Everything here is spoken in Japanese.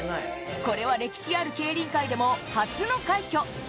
これは歴史ある競輪界でも初の快挙。